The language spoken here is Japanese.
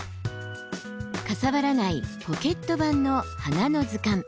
かさばらないポケット版の花の図鑑。